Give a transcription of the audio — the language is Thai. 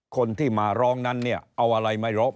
คนที่มาร้องนั้นเนี่ยเอาอะไรไม่รบ